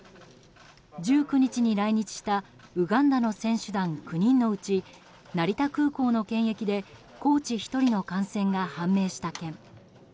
１９日に来日したウガンダの選手団９人のうち成田空港の検疫でコーチ１人の感染が判明した件。